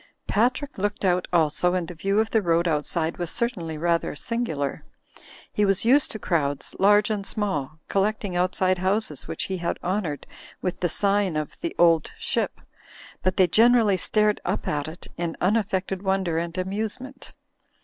Patrick looked out also and the view of the road outside was certainly rather singular. He was used to crowds, large and small, collecting outside houses which he had honoured with the sign of "The Old Ship," but they generally stared up at it in unaffected wonder and amusement.